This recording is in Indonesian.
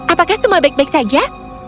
apakah semua baik baik saja